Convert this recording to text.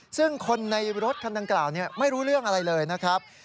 ซึ่งคนในรถคันดังกล่าวไม่รู้เรื่องอะไรเลยนะครับ